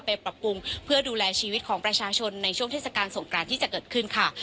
ปรับปรุงเพื่อดูแลชีวิตของประชาชนในช่วงเทศกาลสงกรานที่จะเกิดขึ้นค่ะ